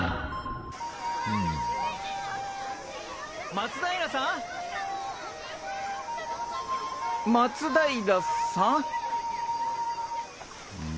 ・松平さん・松平さん？